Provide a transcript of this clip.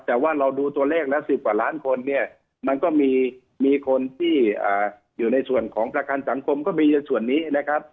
แต่ว่าเราดูตัวเลขแล้ว๑๐กว่าล้านคนเนี่ยมันก็มีคนที่อยู่ในส่วนของประกันสังคมก็มีในส่วนนี้นะครับ